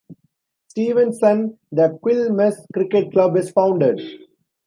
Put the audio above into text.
Stevenson, the "Quilmes Cricket Club" is founded.